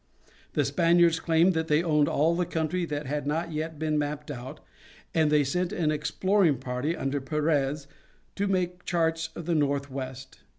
The Spaniards claimed that they owned all of the country that had not yet been mapped out, and they sent an exploring party, under Perez, to make charts of the northwest.